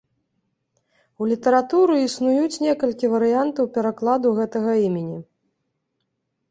У літаратуры існуюць некалькі варыянтаў перакладу гэтага імені.